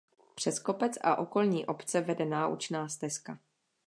Přes kopec a okolní obce vede naučná stezka.